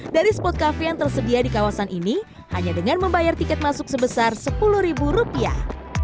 dari spot cafe yang tersedia di kawasan ini hanya dengan membayar tiket masuk sebesar sepuluh ribu rupiah